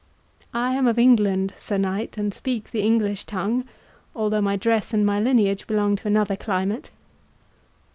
"I am of England, Sir Knight, and speak the English tongue, although my dress and my lineage belong to another climate."